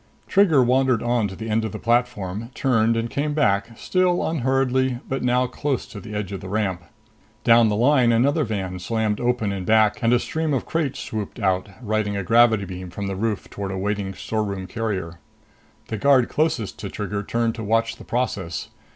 Trigger wandered on to the end of the platform, turned and came back, still unhurriedly but now close to the edge of the ramp. Down the line, another van slammed open in back and a stream of crates swooped out, riding a gravity beam from the roof toward a waiting storeroom carrier. The guard closest to Trigger turned to watch the process.